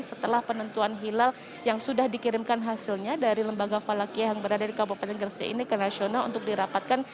setelah penentuan hilal yang sudah dikirimkan hasilnya dari lembaga falakiyah yang berada di kabupaten gresik ini ke nasional untuk dirapatkan